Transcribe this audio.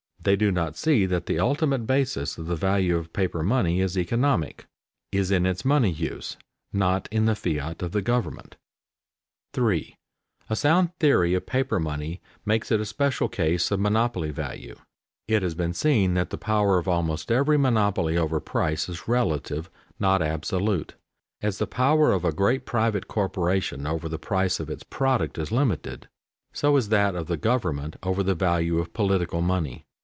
They do not see that the ultimate basis of the value of paper money is economic, is in its money use, not in the fiat of the government. [Sidenote: Theoretical possibility of a good paper money] 3. A sound theory of paper money makes it a special case of monopoly value. It has been seen that the power of almost every monopoly over price is relative, not absolute. As the power of a great private corporation over the price of its product is limited, so is that of the government over the value of political money.